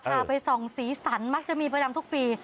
ไปส่องสีสันมักจะมีประจำทุกปี